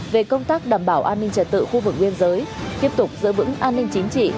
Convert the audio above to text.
về công tác đảm bảo an ninh trật tự khu vực biên giới tiếp tục giữ vững an ninh chính trị